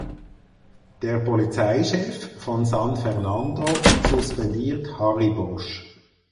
Der Polizeichef von San Fernando suspendiert Harry Bosch.